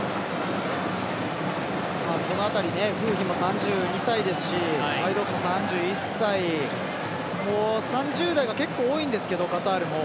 この辺りフーヒも３２歳ですしハイドースも３１歳３０代が結構多いんですけどカタールも。